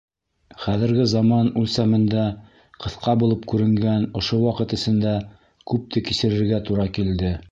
Хәҙерге заман үлсәмендә ҡыҫҡа булып күренгән ошо ваҡыт эсендә күпте кисерергә тура килде.